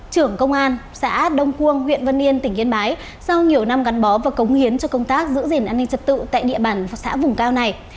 trưởng công an xã đông quâng huyện văn yên tỉnh yên bái sau nhiều năm gắn bó và cống hiến cho công tác giữ gìn an ninh trật tự tại địa bàn xã vùng cao này